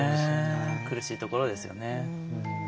苦しいところですよね。